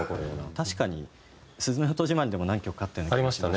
確かに『すずめの戸締まり』でも何曲かあったような。ありましたね。